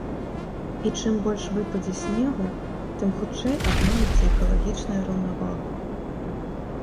І чым больш выпадзе снегу, тым хутчэй адновіцца экалагічная раўнавага.